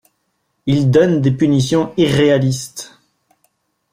Ils donnent des punitions irréalistes.